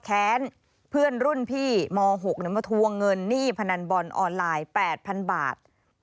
แค้นเพื่อนรุ่นพี่ม๖มาทวงเงินหนี้พนันบอลออนไลน์๘๐๐๐บาท